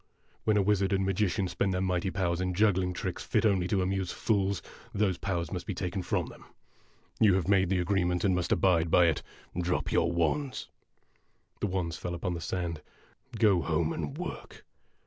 When a wizard and magician spend their mighty powers in juggling tricks fit only to amuse fools, those powers must be taken from them. A DUEL IN A DESERT 51 You have made the agreement, and must abide by it. Drop your wands !' The wands fell upon the sand. " Go home, and work